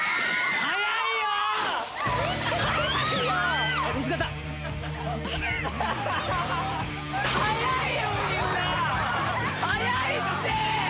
早いって！